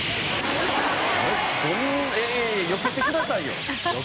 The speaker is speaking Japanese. よけてくださいよ！